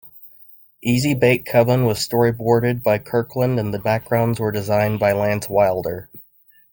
"Easy-Bake Coven" was storyboarded by Kirkland and the backgrounds were designed by Lance Wilder.